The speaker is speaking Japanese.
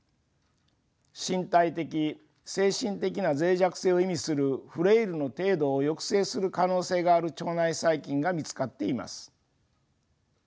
身体的精神的な脆弱性を意味するフレイルの程度を抑制する可能性がある腸内細菌が見つかっています。